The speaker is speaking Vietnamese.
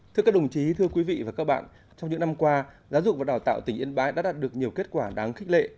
thưa các đồng chí thưa quý vị và các bạn trong những năm qua giáo dục và đào tạo tỉnh yên bái đã đạt được nhiều kết quả đáng khích lệ